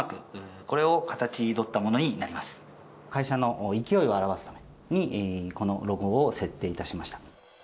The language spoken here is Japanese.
会社の勢いを表すためにこのロゴを設定いたしました。